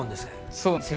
そうですね。